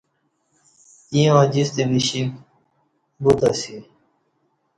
ییں اوجیستہ وشِیک بوتاسی